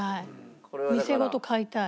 「店ごと買いたい」？